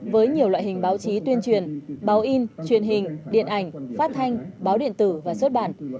với nhiều loại hình báo chí tuyên truyền báo in truyền hình điện ảnh phát thanh báo điện tử và xuất bản